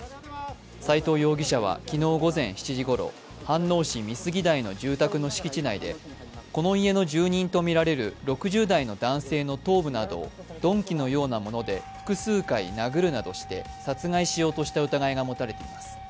斎藤容疑者は昨日午前７時ごろ飯能市美杉台の住宅の敷地内でこの家の住人とみられる６０代の男性の頭部などを鈍器のようなもので複数回殴るなどして殺害しようとした疑いが持たれています。